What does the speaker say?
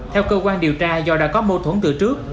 theo cơ quan điều tra do đã có mâu thuẫn từ trước